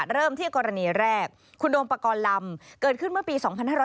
เริ่มที่กรณีแรกคุณโดมปกรณ์ลำเกิดขึ้นเมื่อปี๒๕๕๙